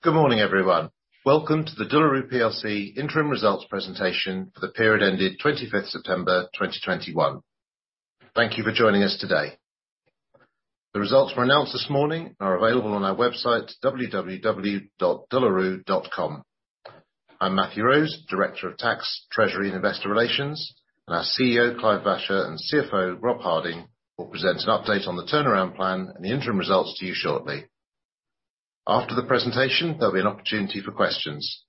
Good morning, everyone. Welcome to the De La Rue PLC interim results presentation for the period ending 25th September 2021. Thank you for joining us today. The results announced this morning are available on our website, www.delarue.com. I'm Matthew Rose, Director of Tax, Treasury, and Investor Relations, and our CEO, Clive Vacher, and CFO, Rob Harding, will present an update on the turnaround plan and the interim results to you shortly. After the presentation, there'll be an opportunity for questions.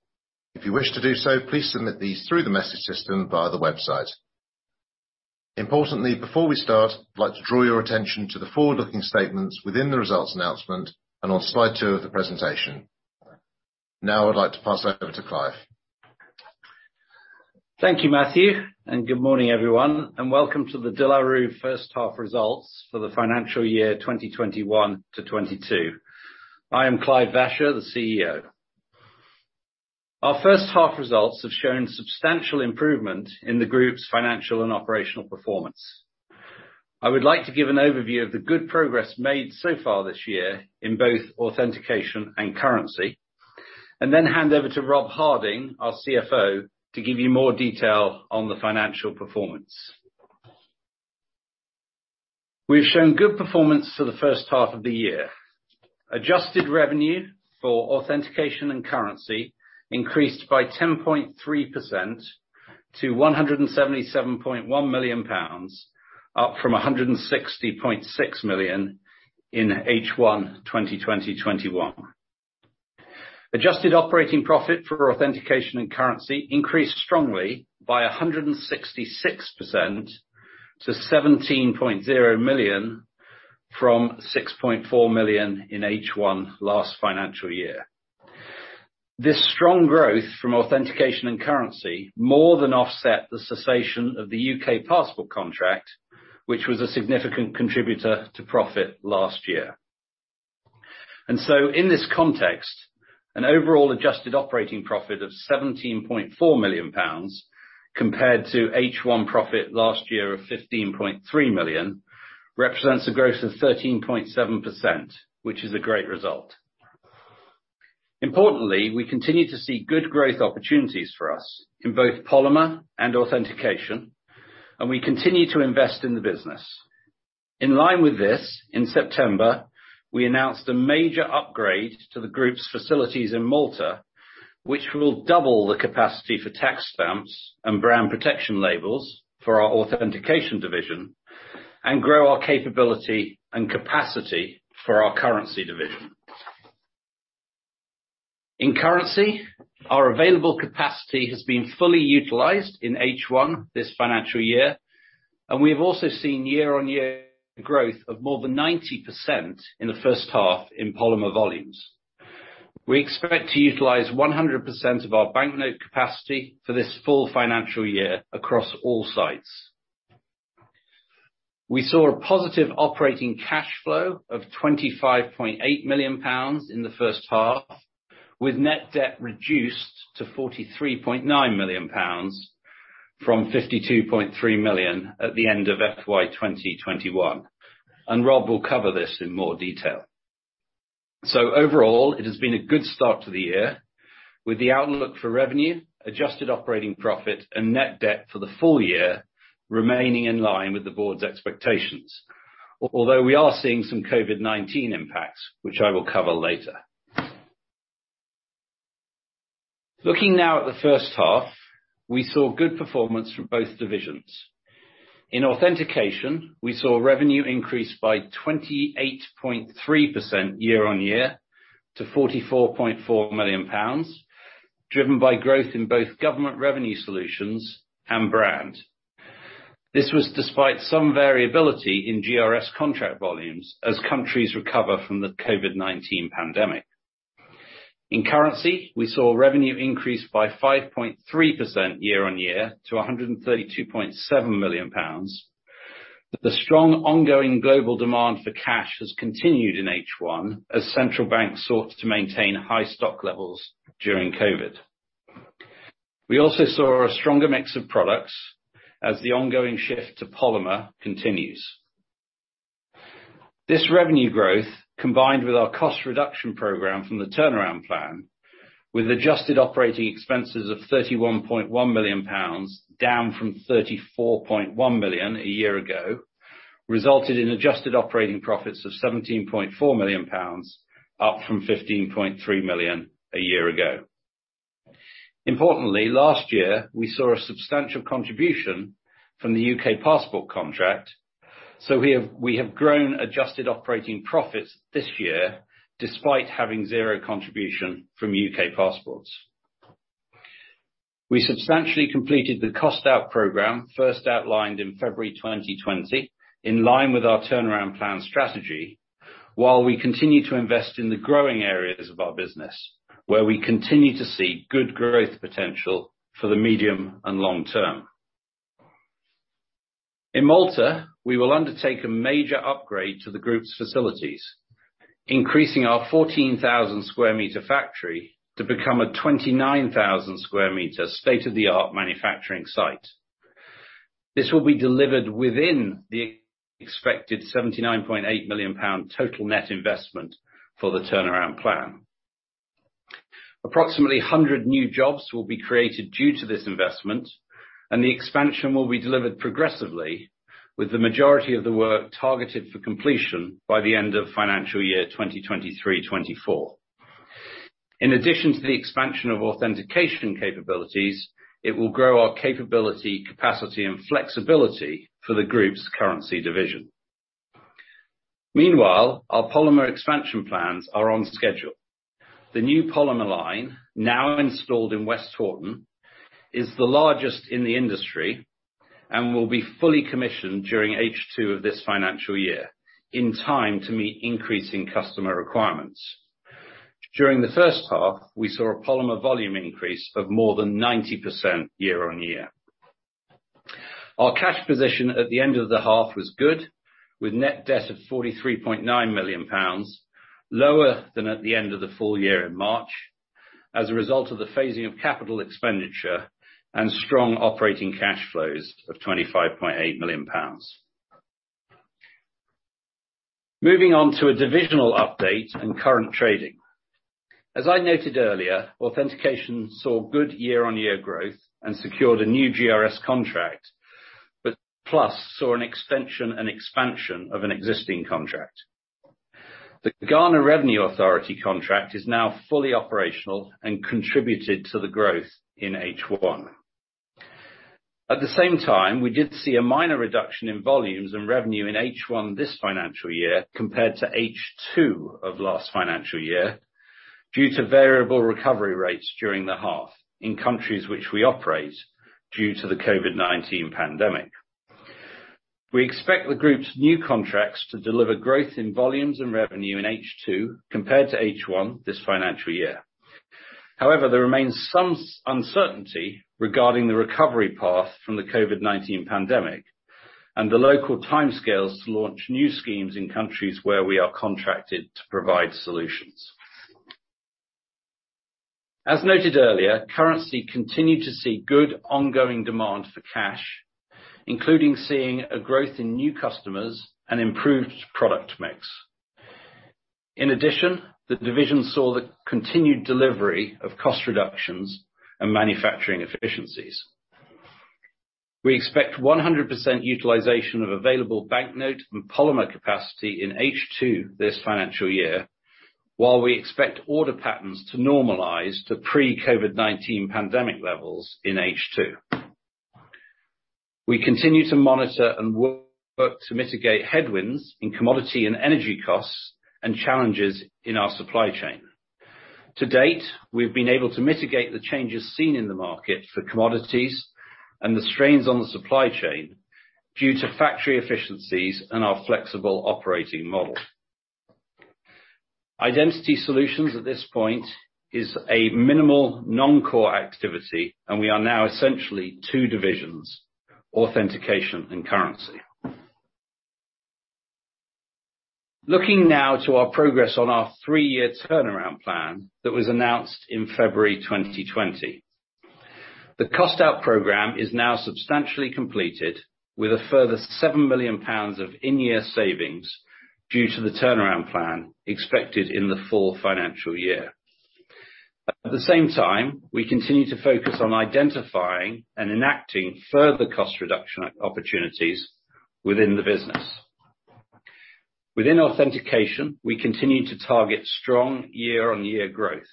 If you wish to do so, please submit these through the message system via the website. Importantly, before we start, I'd like to draw your attention to the forward-looking statements within the results announcement and on slide two of the presentation. Now I'd like to pass over to Clive. Thank you, Matthew, and good morning, everyone, and welcome to the De La Rue first half results for the financial year 2021-2022. I am Clive Vacher, the CEO. Our first half results have shown substantial improvement in the group's financial and operational performance. I would like to give an overview of the good progress made so far this year in both authentication and currency, and then hand over to Rob Harding, our CFO, to give you more detail on the financial performance. We've shown good performance for the first half of the year. Adjusted revenue for authentication and currency increased by 10.3% to 177.1 million pounds, up from 160.6 million in H1 2021. Adjusted operating profit for authentication and currency increased strongly by 166% to 17.0 million from 6.4 million in H1 last financial year. This strong growth from authentication and currency more than offset the cessation of the U.K. passport contract, which was a significant contributor to profit last year. In this context, an overall adjusted operating profit of 17.4 million pounds compared to H1 profit last year of 15.3 million represents a growth of 13.7%, which is a great result. Importantly, we continue to see good growth opportunities for us in both polymer and authentication, and we continue to invest in the business. In line with this, in September, we announced a major upgrade to the group's facilities in Malta, which will double the capacity for tax stamps and brand protection labels for our authentication division and grow our capability and capacity for our currency division. In currency, our available capacity has been fully utilized in H1 this financial year, and we have also seen year-on-year growth of more than 90% in the first half in polymer volumes. We expect to utilize 100% of our banknote capacity for this full financial year across all sites. We saw a positive operating cash flow of 25.8 million pounds in the first half, with net debt reduced to 43.9 million pounds from 52.3 million at the end of FY 2021. Rob will cover this in more detail. Overall, it has been a good start to the year with the outlook for revenue, adjusted operating profit, and net debt for the full year remaining in line with the board's expectations. Although we are seeing some COVID-19 impacts, which I will cover later. Looking now at the first half, we saw good performance from both divisions. In authentication, we saw revenue increase by 28.3% year-on-year to 44.4 million pounds, driven by growth in both government revenue solutions and brand. This was despite some variability in GRS contract volumes as countries recover from the COVID-19 pandemic. In currency, we saw revenue increase by 5.3% year-on-year to 132.7 million pounds. The strong ongoing global demand for cash has continued in H1 as central banks sought to maintain high stock levels during COVID-19. We also saw a stronger mix of products as the ongoing shift to polymer continues. This revenue growth, combined with our cost reduction program from the turnaround plan, with adjusted operating expenses of 31.1 million pounds, down from 34.1 million a year ago, resulted in adjusted operating profits of 17.4 million pounds, up from 15.3 million a year ago. Importantly, last year, we saw a substantial contribution from the UK passport contract, so we have grown adjusted operating profits this year despite having zero contribution from UK passports. We substantially completed the cost-out program first outlined in February 2020, in line with our turnaround plan strategy, while we continue to invest in the growing areas of our business, where we continue to see good growth potential for the medium and long term. In Malta, we will undertake a major upgrade to the Group's facilities, increasing our 14,000 sq m factory to become a 29,000 sq m state-of-the-art manufacturing site. This will be delivered within the expected 79.8 million pound total net investment for the turnaround plan. Approximately 100 new jobs will be created due to this investment, and the expansion will be delivered progressively with the majority of the work targeted for completion by the end of financial year 2023/2024. In addition to the expansion of authentication capabilities, it will grow our capability, capacity and flexibility for the Group's currency division. Meanwhile, our polymer expansion plans are on schedule. The new polymer line, now installed in Westhoughton, is the largest in the industry and will be fully commissioned during H2 of this financial year in time to meet increasing customer requirements. During the first half, we saw a polymer volume increase of more than 90% year-on-year. Our cash position at the end of the half was good, with net debt of 43.9 million pounds, lower than at the end of the full year in March as a result of the phasing of capital expenditure and strong operating cash flows of 25.8 million pounds. Moving on to a divisional update and current trading. As I noted earlier, Authentication saw good year-on-year growth and secured a new GRS contract, but Identity saw an extension and expansion of an existing contract. The Ghana Revenue Authority contract is now fully operational and contributed to the growth in H1. At the same time, we did see a minor reduction in volumes and revenue in H1 this financial year compared to H2 of last financial year, due to variable recovery rates during the half in countries which we operate due to the COVID-19 pandemic. We expect the Group's new contracts to deliver growth in volumes and revenue in H2 compared to H1 this financial year. However, there remains some uncertainty regarding the recovery path from the COVID-19 pandemic and the local timescales to launch new schemes in countries where we are contracted to provide solutions. As noted earlier, currency continued to see good ongoing demand for cash, including seeing a growth in new customers and improved product mix. In addition, the division saw the continued delivery of cost reductions and manufacturing efficiencies. We expect 100% utilization of available banknote and polymer capacity in H2 this financial year, while we expect order patterns to normalize to pre-COVID-19 pandemic levels in H2. We continue to monitor and work to mitigate headwinds in commodity and energy costs and challenges in our supply chain. To date, we've been able to mitigate the changes seen in the market for commodities and the strains on the supply chain due to factory efficiencies and our flexible operating model. Identity solutions at this point is a minimal non-core activity, and we are now essentially two divisions, authentication and currency. Looking now to our progress on our three-year turnaround plan that was announced in February 2020. The cost-out program is now substantially completed with a further 7 million pounds of in-year savings due to the turnaround plan expected in the full financial year. At the same time, we continue to focus on identifying and enacting further cost reduction opportunities within the business. Within authentication, we continue to target strong year-on-year growth.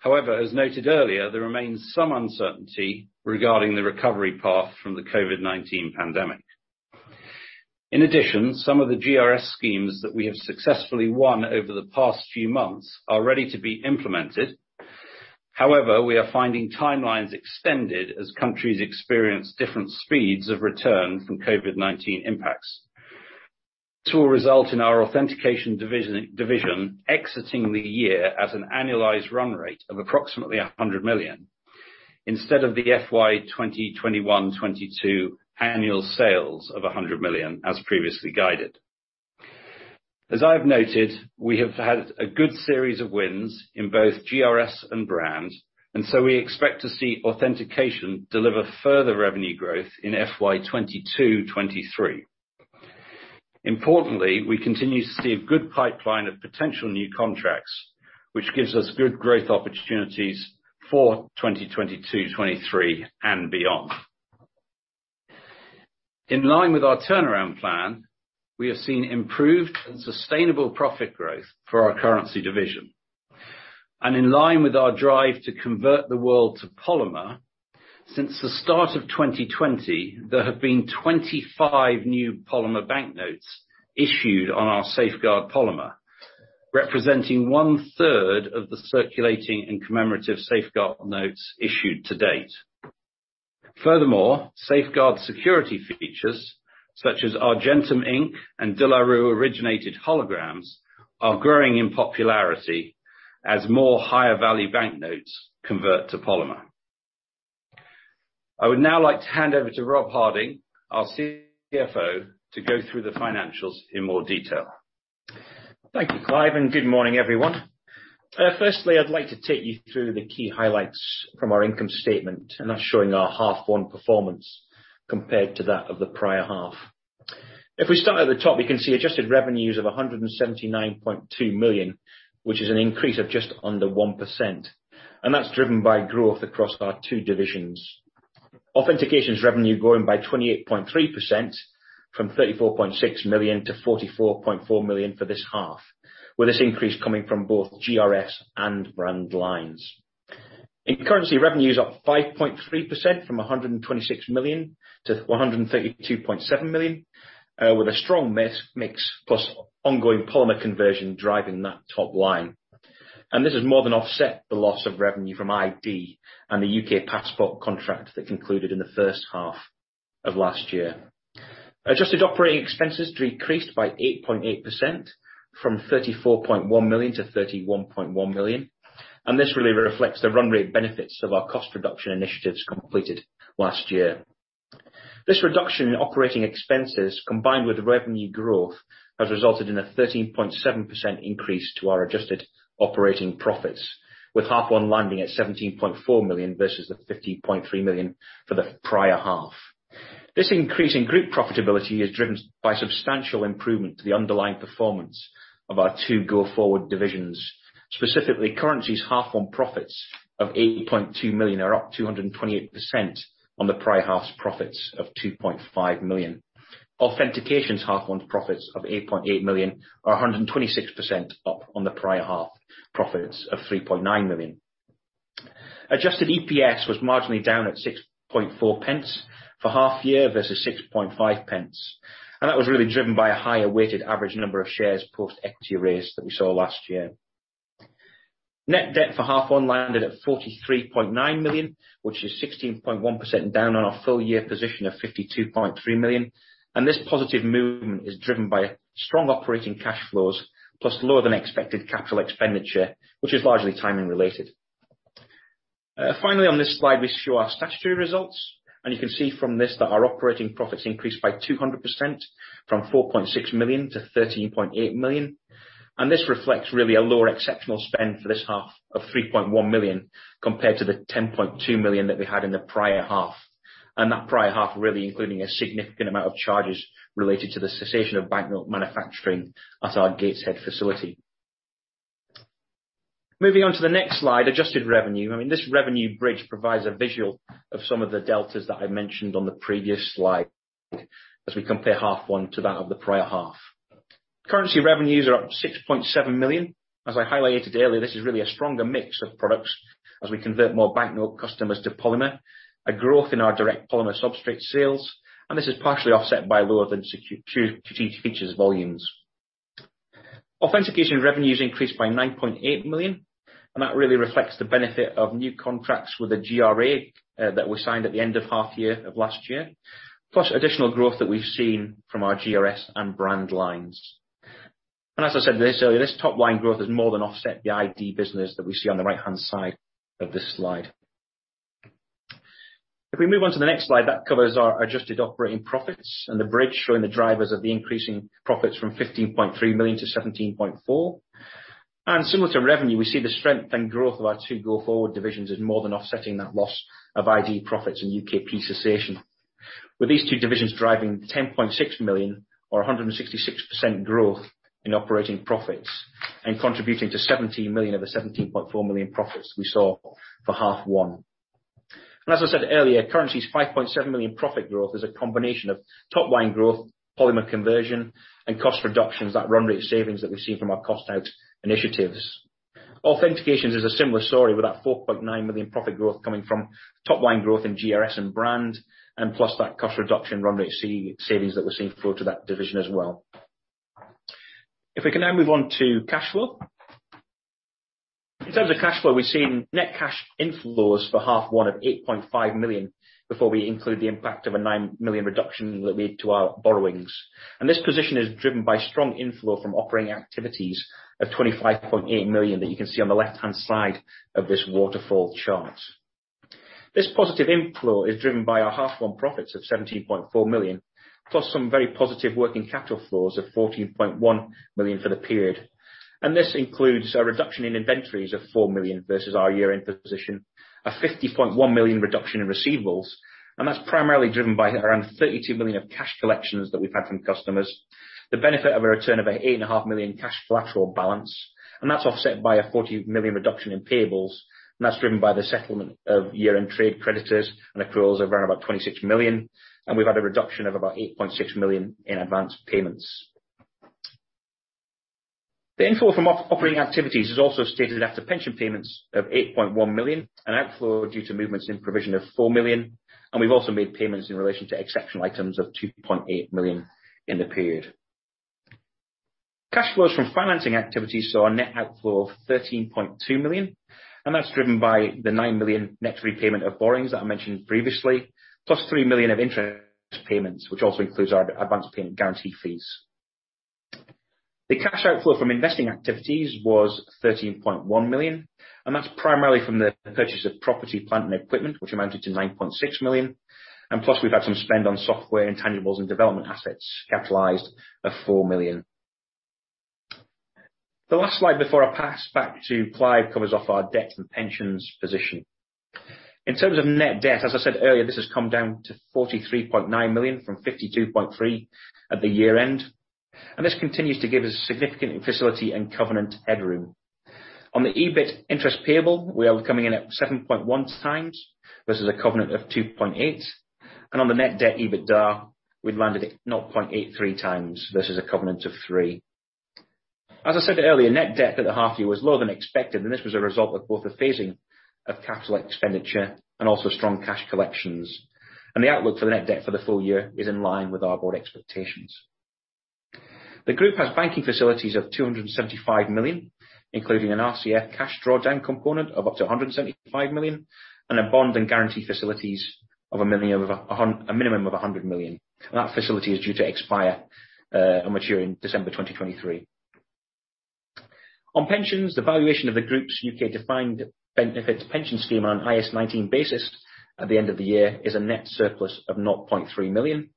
However, as noted earlier, there remains some uncertainty regarding the recovery path from the COVID-19 pandemic. In addition, some of the GRS schemes that we have successfully won over the past few months are ready to be implemented. However, we are finding timelines extended as countries experience different speeds of return from COVID-19 impacts. This will result in our authentication division exiting the year at an annualized run rate of approximately 100 million, instead of the FY 2021/22 annual sales of 100 million as previously guided. As I have noted, we have had a good series of wins in both GRS and brand, and so we expect to see authentication deliver further revenue growth in FY 2022, 2023. Importantly, we continue to see a good pipeline of potential new contracts, which gives us good growth opportunities for 2022, 2023 and beyond. In line with our turnaround plan, we have seen improved and sustainable profit growth for our currency division. In line with our drive to convert the world to polymer, since the start of 2020, there have been 25 new polymer banknotes issued on our Safeguard polymer, representing one-third of the circulating and commemorative Safeguard notes issued to date. Furthermore, Safeguard security features such as Argentum ink and De La Rue originated holograms are growing in popularity as more higher value banknotes convert to polymer. I would now like to hand over to Rob Harding, our CFO, to go through the financials in more detail. Thank you, Clive, and good morning, everyone. Firstly, I'd like to take you through the key highlights from our income statement, and that's showing our half one performance compared to that of the prior half. If we start at the top, we can see adjusted revenues of 179.2 million, which is an increase of just under 1%, and that's driven by growth across our two divisions. Authentication's revenue growing by 28.3% from 34.6 million to 44.4 million for this half, with this increase coming from both GRS and brand lines. In currency, revenues up 5.3% from 126 million to 132.7 million, with a strong mix plus ongoing polymer conversion driving that top line. This has more than offset the loss of revenue from ID and the UK passport contract that concluded in the first half of last year. Adjusted operating expenses decreased by 8.8% from 34.1 million to 31.1 million, and this really reflects the run rate benefits of our cost reduction initiatives completed last year. This reduction in operating expenses, combined with revenue growth, has resulted in a 13.7% increase to our adjusted operating profits, with half one landing at 17.4 million versus 15.3 million for the prior half. This increase in group profitability is driven by substantial improvement to the underlying performance of our two go-forward divisions. Specifically, Currencies half one profits of 8.2 million are up 228% on the prior half's profits of 2.5 million. Authentication's half one profits of 8.8 million are 126% up on the prior half profits of 3.9 million. Adjusted EPS was marginally down at 6.4 pence for half year versus 6.5 pence, and that was really driven by a higher weighted average number of shares post-equity raise that we saw last year. Net debt for half one landed at 43.9 million, which is 16.1% down on our full year position of 52.3 million. This positive movement is driven by strong operating cash flows plus lower than expected capital expenditure, which is largely timing related. Finally, on this slide, we show our statutory results, and you can see from this that our operating profits increased by 200% from 4.6 million to 13.8 million. This reflects really a lower exceptional spend for this half of 3.1 million compared to the 10.2 million that we had in the prior half, really including a significant amount of charges related to the cessation of banknote manufacturing at our Gateshead facility. Moving on to the next slide, adjusted revenue. I mean, this revenue bridge provides a visual of some of the deltas that I mentioned on the previous slide as we compare half one to that of the prior half. Currency revenues are up 6.7 million. As I highlighted earlier, this is really a stronger mix of products as we convert more banknote customers to polymer, a growth in our direct polymer substrate sales, and this is partially offset by lower than expected security features volumes. Authentication revenues increased by 9.8 million, and that really reflects the benefit of new contracts with the GRA that we signed at the end of half year of last year, plus additional growth that we've seen from our GRS and brand lines. As I said this earlier, this top line growth has more than offset the ID business that we see on the right-hand side of this slide. If we move on to the next slide, that covers our adjusted operating profits and the bridge showing the drivers of the increasing profits from 15.3 million to 17.4 million. Similar to revenue, we see the strength and growth of our two go-forward divisions as more than offsetting that loss of ID profits in UKP cessation. With these two divisions driving 10.6 million or 166% growth in operating profits and contributing to 17 million of the 17.4 million profits we saw for half one. As I said earlier, currency's 5.7 million profit growth is a combination of top line growth, polymer conversion and cost reductions, that run rate savings that we've seen from our cost out initiatives. Authentications is a similar story with that 4.9 million profit growth coming from top line growth in GRS and brand, and plus that cost reduction run rate savings that we're seeing flow to that division as well. If we can now move on to cash flow. In terms of cash flow, we've seen net cash inflows for half one of 8.5 million before we include the impact of a 9 million reduction that we made to our borrowings. This position is driven by strong inflow from operating activities of 25.8 million that you can see on the left-hand side of this waterfall chart. This positive inflow is driven by our half one profits of 17.4 million, plus some very positive working capital flows of 14.1 million for the period. This includes a reduction in inventories of 4 million versus our year-end position, a 50.1 million reduction in receivables, and that's primarily driven by around 32 million of cash collections that we've had from customers. The benefit of a return of 8.5 million cash flow actual balance, and that's offset by a 40 million reduction in payables, and that's driven by the settlement of year-end trade creditors and accruals of around about 26 million, and we've had a reduction of about 8.6 million in advanced payments. The inflow from operating activities is also stated after pension payments of 8.1 million, an outflow due to movements in provision of 4 million, and we've also made payments in relation to exceptional items of 2.8 million in the period. Cash flows from financing activities saw a net outflow of 13.2 million, and that's driven by the 9 million net repayment of borrowings that I mentioned previously, plus 3 million of interest payments, which also includes our advanced payment guarantee fees. The cash outflow from investing activities was 13.1 million, and that's primarily from the purchase of property, plant and equipment, which amounted to 9.6 million. We've had some spend on software, intangibles and development assets capitalized of 4 million. The last slide before I pass back to Clive covers off our debt and pensions position. In terms of net debt, as I said earlier, this has come down to 43.9 million from 52.3 million at the year-end, and this continues to give us significant facility and covenant headroom. On the EBIT interest payable, we are coming in at 7.1 times versus a covenant of 2.8, and on the net debt EBITDA, we've landed at 0.83 times versus a covenant of three. As I said earlier, net debt at the half year was lower than expected, and this was a result of both the phasing of capital expenditure and also strong cash collections. The outlook for the net debt for the full year is in line with our board expectations. The group has banking facilities of 275 million, including an RCF cash drawdown component of up to 175 million and a bond and guarantee facilities of a minimum of 100 million. That facility is due to expire or mature in December 2023. On pensions, the valuation of the group's UK defined benefits pension scheme on an IAS 19 basis at the end of the year is a net surplus of 0.3 million,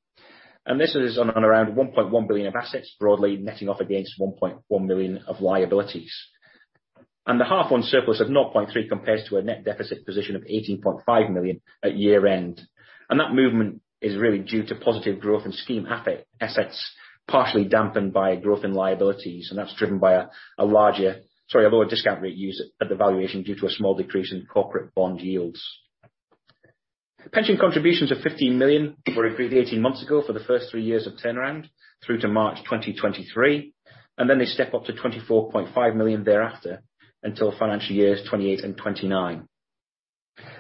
and this is on around 1.1 billion of assets, broadly netting off against 1.1 million of liabilities. That H1 surplus of 0.3 million compares to a net deficit position of 18.5 million at year-end. That movement is really due to positive growth in scheme assets, partially dampened by growth in liabilities, and that's driven by a lower discount rate used at the valuation due to a small decrease in corporate bond yields. Pension contributions of 15 million were agreed 18 months ago for the first three years of turnaround through to March 2023, and then they step up to 24.5 million thereafter until financial years 2028 and 2029.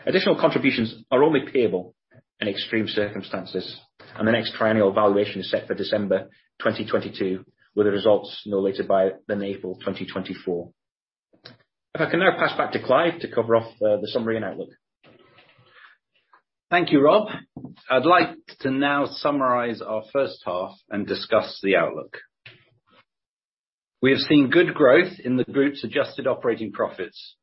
Additional contributions are only payable in extreme circumstances, and the next triennial valuation is set for December 2022, with the results no later than April 2024. If I can now pass back to Clive to cover off, the summary and outlook. Thank you, Rob. I'd like to now summarize our first half and discuss the outlook. We have seen good growth in the group's adjusted operating profits,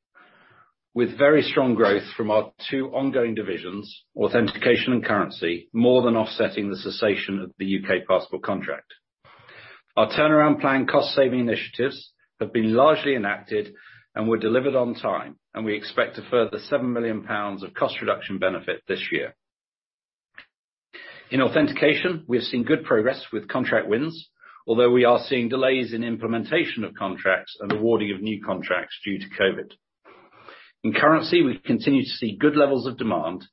with very strong growth from our two ongoing divisions, authentication and currency, more than offsetting the cessation of the UK passport contract. Our turnaround plan cost saving initiatives have been largely enacted and were delivered on time, and we expect a further 7 million pounds of cost reduction benefit this year. In authentication, we have seen good progress with contract wins, although we are seeing delays in implementation of contracts and awarding of new contracts due to COVID. In currency, we continue to see good levels of demand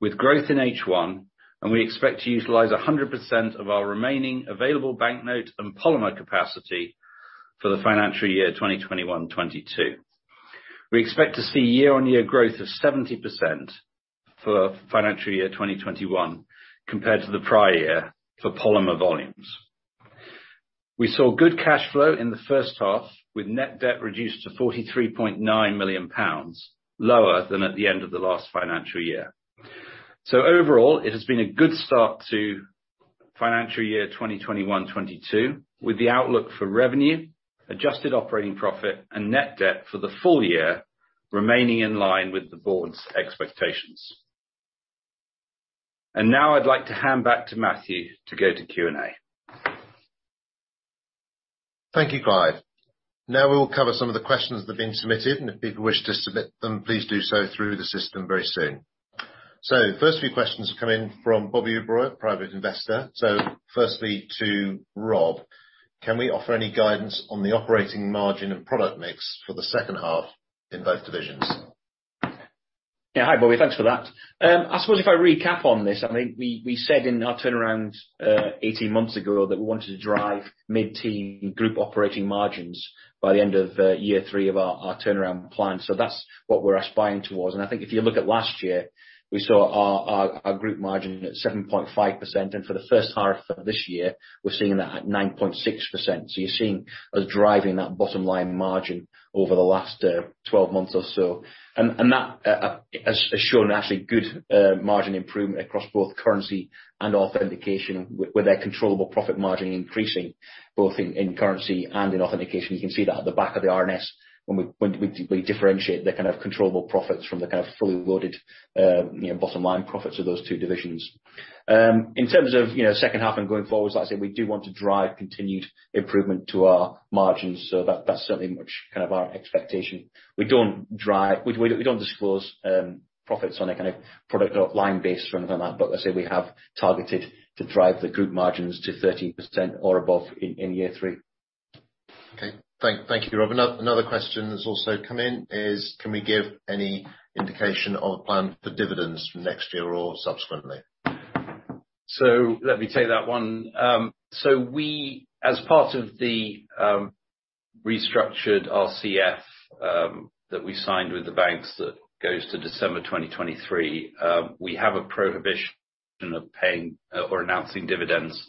with growth in H1, and we expect to utilize 100% of our remaining available banknote and polymer capacity for the financial year 2021/22. We expect to see year-on-year growth of 70% for financial year 2021 compared to the prior year for polymer volumes. We saw good cash flow in the first half with net debt reduced to 43.9 million pounds, lower than at the end of the last financial year. Overall, it has been a good start to financial year 2021/22, with the outlook for revenue, adjusted operating profit, and net debt for the full year remaining in line with the board's expectations. Now I'd like to hand back to Matthew to go to Q&A. Thank you, Clive. Now we will cover some of the questions that have been submitted, and if people wish to submit them, please do so through the system very soon. First few questions are coming from Bobby Ubro, private investor. Firstly to Rob, can we offer any guidance on the operating margin and product mix for the second half in both divisions? Yeah. Hi, Bobby. Thanks for that. I suppose if I recap on this, I think we said in our turnaround 18 months ago that we wanted to drive mid-teen group operating margins by the end of year three of our turnaround plan. That's what we're aspiring towards. I think if you look at last year, we saw our group margin at 7.5%, and for the first half of this year, we're seeing that at 9.6%. You're seeing us driving that bottom line margin over the last 12 months or so. That has shown actually good margin improvement across both currency and authentication with our controllable profit margin increasing both in currency and in authentication. You can see that at the back of the RNS we differentiate the kind of controllable profits from the kind of fully loaded bottom line profits of those two divisions. In terms of second half and going forwards, like I said, we do want to drive continued improvement to our margins, so that's certainly our expectation. We don't disclose profits on a kind of product or line basis or anything like that, but as I say, we have targeted to drive the group margins to 13% or above in year three. Okay. Thank you, Rob. Another question that's also come in is, can we give any indication of plan for dividends for next year or subsequently? Let me take that one. We, as part of the restructured RCF that we signed with the banks that goes to December 2023, we have a prohibition of paying or announcing dividends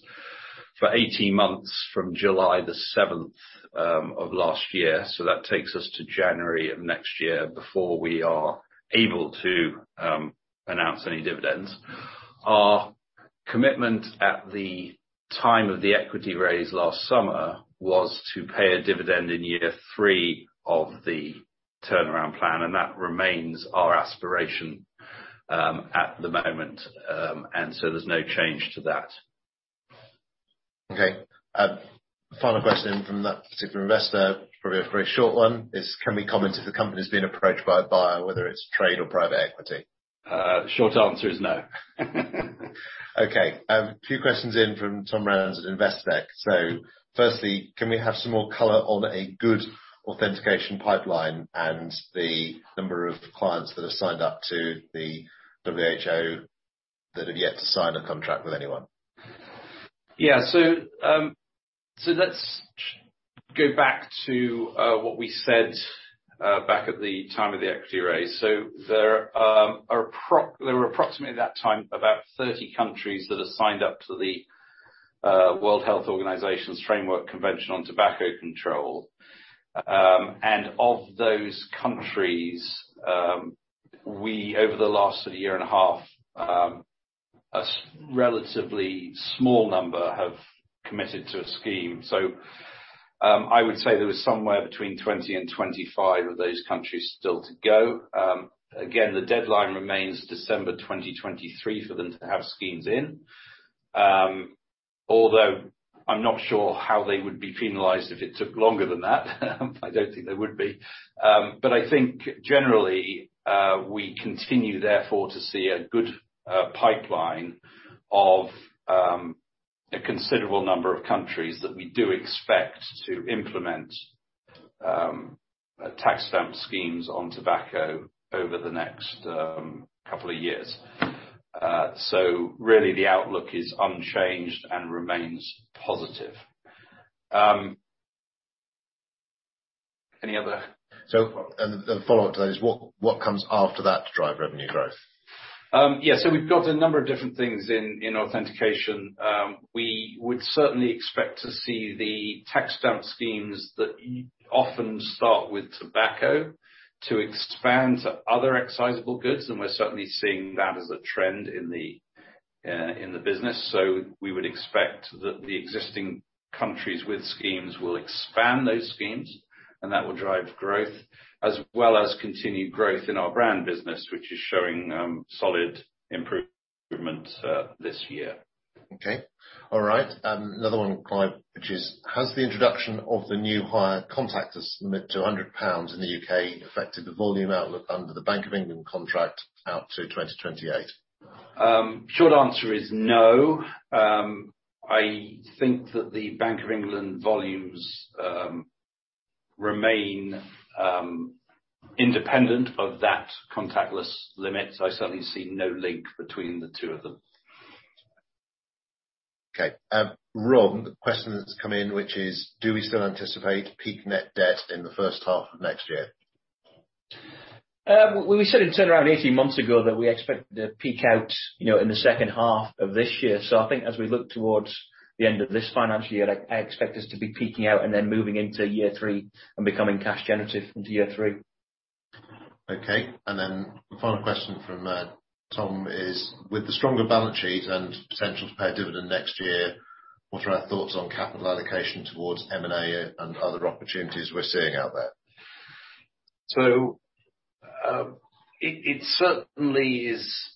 for 18 months from July 7 of last year. That takes us to January of next year before we are able to announce any dividends. Our commitment at the time of the equity raise last summer was to pay a dividend in year three of the turnaround plan, and that remains our aspiration at the moment. There's no change to that. Okay. Final question from that particular investor, probably a very short one, is, can we comment if the company's been approached by a buyer, whether it's trade or private equity? The short answer is no. Okay. Two questions in from Tom Rands at Investec. Firstly, can we have some more color on a good authentication pipeline and the number of clients that have signed up to the WHO that have yet to sign a contract with anyone? Let's go back to what we said back at the time of the equity raise. There were approximately at that time about 30 countries that are signed up to the World Health Organization's Framework Convention on Tobacco Control. Of those countries, over the last year and a half, a relatively small number have committed to a scheme. I would say there was somewhere between 20 and 25 of those countries still to go. Again, the deadline remains December 2023 for them to have schemes in. Although I'm not sure how they would be penalized if it took longer than that, I don't think they would be. I think generally we continue therefore to see a good pipeline of a considerable number of countries that we do expect to implement tax stamp schemes on tobacco over the next couple of years. Really the outlook is unchanged and remains positive. Any other- The follow-up to that is what comes after that to drive revenue growth? We've got a number of different things in authentication. We would certainly expect to see the tax stamp schemes that often start with tobacco to expand to other excisable goods, and we're certainly seeing that as a trend in the business. We would expect that the existing countries with schemes will expand those schemes, and that will drive growth as well as continued growth in our brand business, which is showing solid improvement this year. Another one, Clive, which is, has the introduction of the new higher contactless limit to 100 pounds in the U.K. affected the volume outlook under the Bank of England contract out to 2028? Short answer is no. I think that the Bank of England volumes remain independent of that contactless limit. I certainly see no link between the two of them. Okay. Rob, the question that's come in, which is, do we still anticipate peak net debt in the first half of next year? We said in turnaround 18 months ago that we expect to peak out, you know, in the second half of this year. I think as we look towards the end of this financial year, I expect us to be peaking out and then moving into year three and becoming cash generative into year three. Okay. The final question from Tom Rands is: With the stronger balance sheet and potential to pay a dividend next year, what are our thoughts on capital allocation towards M&A and other opportunities we're seeing out there? It certainly is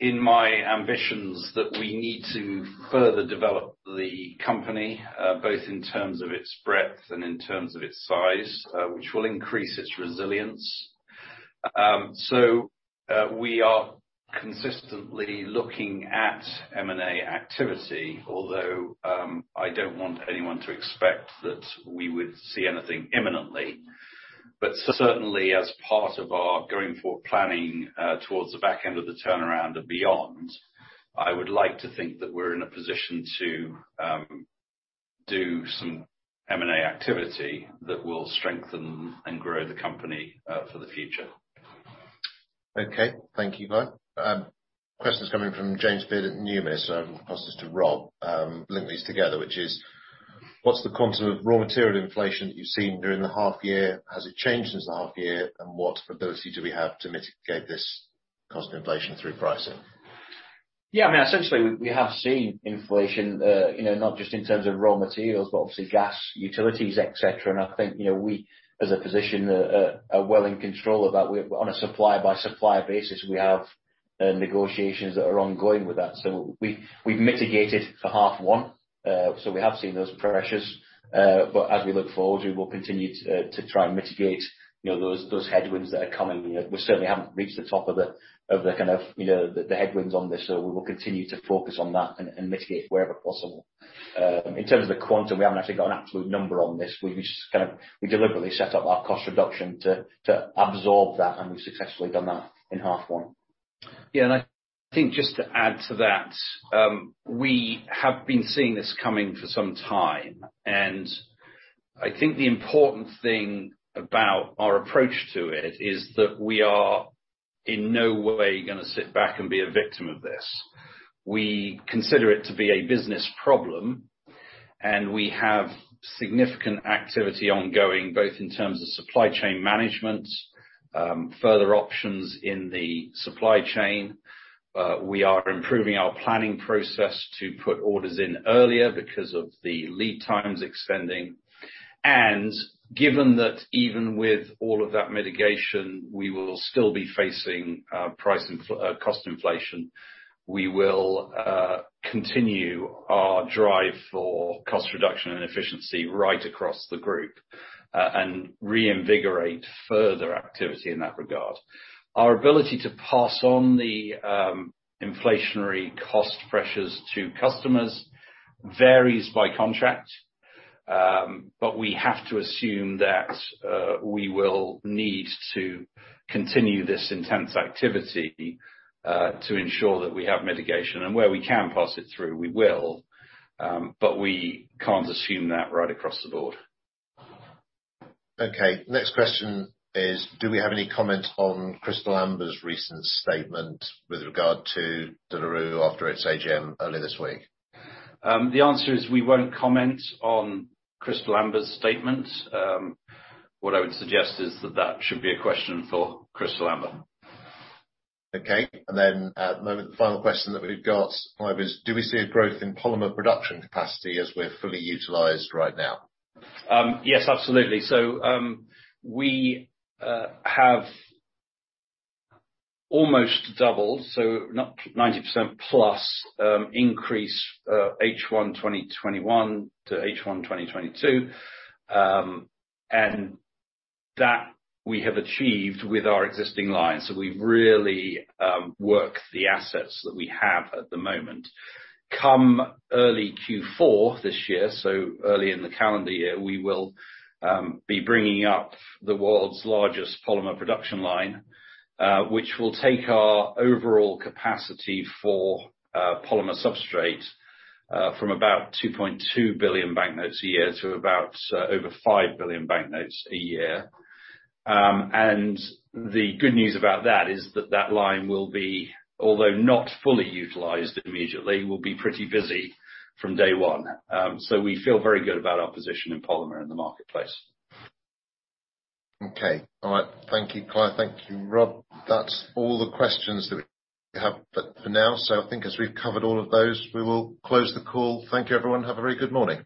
in my ambitions that we need to further develop the company, both in terms of its breadth and in terms of its size, which will increase its resilience. We are consistently looking at M&A activity, although I don't want anyone to expect that we would see anything imminently. Certainly as part of our going forward planning, towards the back end of the turnaround and beyond, I would like to think that we're in a position to do some M&A activity that will strengthen and grow the company for the future. Okay. Thank you, Clive. Question's coming from James Beard at Numis, so I'll pass this to Rob. Link these together, which is: What's the quantum of raw material inflation that you've seen during the half year? Has it changed since the half year? And what ability do we have to mitigate this cost inflation through pricing? Yeah. I mean, essentially, we have seen inflation, you know, not just in terms of raw materials, but obviously gas, utilities, et cetera. I think, you know, we are well positioned in control of that. On a supplier-by-supplier basis, we have negotiations that are ongoing with that. We have mitigated for half one. We have seen those pressures, but as we look forward, we will continue to try and mitigate, you know, those headwinds that are coming. We certainly haven't reached the top of the kind of headwinds on this. We will continue to focus on that and mitigate wherever possible. In terms of the quantum, we haven't actually got an absolute number on this. We deliberately set up our cost reduction to absorb that, and we've successfully done that in half one. Yeah, I think just to add to that, we have been seeing this coming for some time, and I think the important thing about our approach to it is that we are in no way gonna sit back and be a victim of this. We consider it to be a business problem, and we have significant activity ongoing, both in terms of supply chain management, further options in the supply chain. We are improving our planning process to put orders in earlier because of the lead times extending. Given that even with all of that mitigation, we will still be facing cost inflation. We will continue our drive for cost reduction and efficiency right across the group, and reinvigorate further activity in that regard. Our ability to pass on the inflationary cost pressures to customers varies by contract. We have to assume that we will need to continue this intense activity to ensure that we have mitigation. Where we can pass it through, we will. We can't assume that right across the board. Okay. Next question is, do we have any comment on Crystal Amber's recent statement with regard to De La Rue after its AGM earlier this week? The answer is we won't comment on Crystal Amber's statement. What I would suggest is that that should be a question for Crystal Amber. Okay. At the moment, the final question that we've got, Clive, is do we see a growth in polymer production capacity as we're fully utilized right now? Yes, absolutely. We have almost doubled, so 90%+ increase, H1 2021 to H1 2022. That we have achieved with our existing lines. We've really worked the assets that we have at the moment. In early Q4 this year, early in the calendar year, we will be bringing up the world's largest polymer production line, which will take our overall capacity for polymer substrate from about 2.2 billion banknotes a year to about over 5 billion banknotes a year. The good news about that is that that line will be, although not fully utilized immediately, pretty busy from day one. We feel very good about our position in polymer in the marketplace. Okay. All right. Thank you, Clive. Thank you, Rob. That's all the questions that we have for now. I think as we've covered all of those, we will close the call. Thank you, everyone. Have a very good morning.